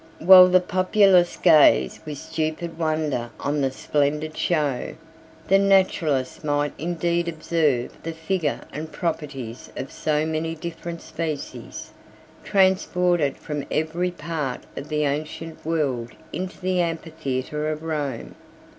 89 While the populace gazed with stupid wonder on the splendid show, the naturalist might indeed observe the figure and properties of so many different species, transported from every part of the ancient world into the amphitheatre of Rome.